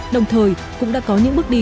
đồng thời cũng đã có những bước đi